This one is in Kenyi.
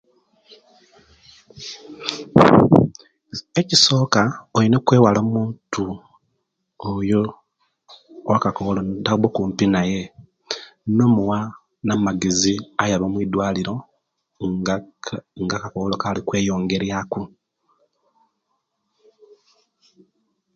Ekisooka olina okwewala omuntu oyo owakakowolo notaba okumpi naye nomuwa na'magezi ayabe omwidwaliro nga ka nga akakowolo Kali kweyongeryaku.